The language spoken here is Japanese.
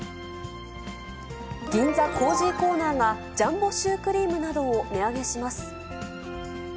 銀座コージーコーナーが、ジャンボシュークリームなどを値上げします。